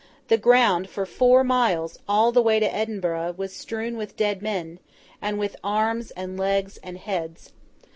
The ground for four miles, all the way to Edinburgh, was strewn with dead men, and with arms, and legs, and heads.